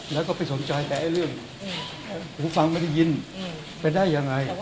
แล้วก็ไปสนใจแต่เรื่องหูฟังไม่ได้ยินเป็นได้ยังไง